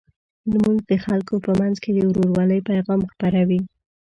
لمونځ د خلکو په منځ کې د ورورولۍ پیغام خپروي.